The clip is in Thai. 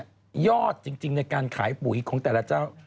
ยอดจริงในการขายปุ๋ยของแต่ละเจ้า